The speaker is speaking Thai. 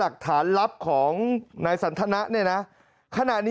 ขณะนี้มีอะไรนะครับ